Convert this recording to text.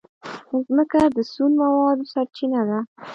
مځکه د سون موادو سرچینه ده.